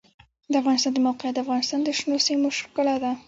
د افغانستان د موقعیت د افغانستان د شنو سیمو ښکلا ده.